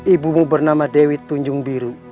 ibumu bernama dewi tunjung biru